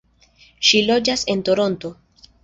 Ŝi loĝas en Toronto.